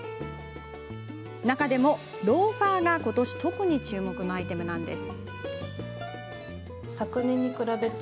中でもローファーがことし特に注目のアイテムです。